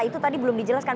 itu tadi belum dijelaskan